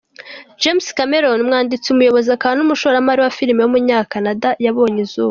James Cameron, umwanditsi, umuyobozi, akaba n’umushoramari wa filime w’umunyakanada yabonye izuba.